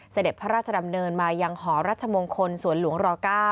เสด็จพระราชดำเนินมายังหอรัชมงคลสวนหลวงร๙